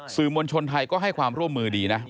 สื่อมวลชนไทยก็ให้ความร่วมมือดีนะ